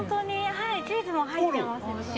チーズも入ってます。